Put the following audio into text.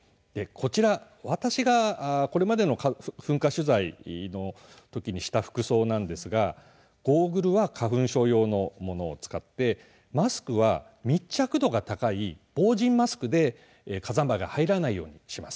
こちら私がこれまでの噴火取材のときにした服装ですがゴーグルは花粉症用のものを使ってマスクは密着度が高い防じんマスクで火山灰が入らないようにします。